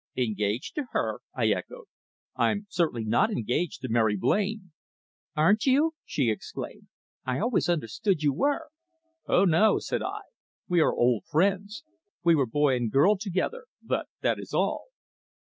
"Engaged to her?" I echoed. "I'm certainly not engaged to Mary Blain." "Aren't you?" she exclaimed. "I always understood you were." "Oh, no," I said. "We are old friends. We were boy and girl together, but that is all."